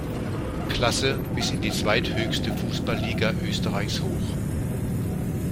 Klasse bis in die zweithöchste Fußballliga Österreichs hoch.